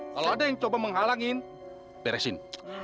kalau ada yang coba menghalangin beresin